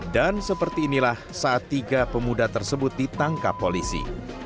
dan seperti inilah saat tiga pemuda tersebut ditangkap polisi